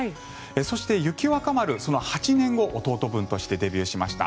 そして、雪若丸その８年後弟分としてデビューしました。